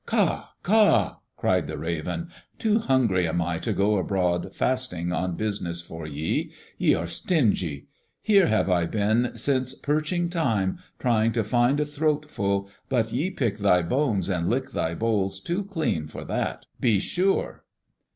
"Ka! ka!" cried the Raven. "Too hungry am I to go abroad fasting on business for ye. Ye are stingy! Here have I been since perching time, trying to find a throatful, but ye pick thy bones and lick thy bowls too clean for that, be sure."